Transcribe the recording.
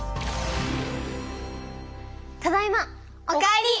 ただいま！お帰り！